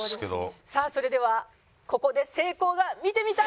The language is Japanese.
さあそれではここで成功が見てみたい。